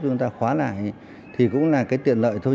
chúng ta khóa lại thì cũng là cái tiện lợi thôi